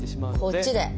こっちで。